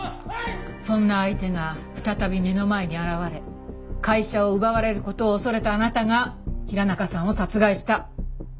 そんな相手が再び目の前に現れ会社を奪われる事を恐れたあなたが平中さんを殺害した。